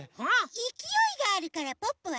いきおいがあるからポッポはすき。